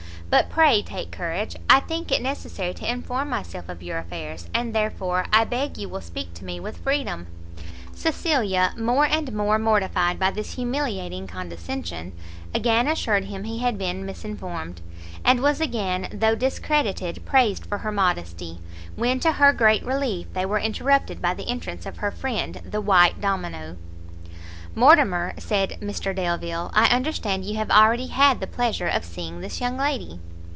But pray take courage; I think it necessary to inform myself of your affairs, and therefore I beg you will speak to me with freedom." Cecilia, more and more mortified by this humiliating condescension, again assured him he had been misinformed, and was again, though discredited, praised for her modesty, when, to her great relief, they were interrupted by the entrance of her friend the white domino. "Mortimer," said Mr Delvile, "I understand you have already had the pleasure of seeing this young lady?"